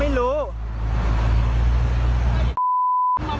มีคลิปก่อนนะครับ